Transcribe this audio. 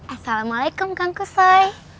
assalamualaikum kang kusoy